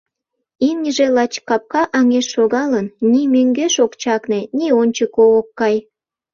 Имньыже лач капка аҥеш шогалын, ни мӧҥгеш ок чакне, ни ончыко ок кай.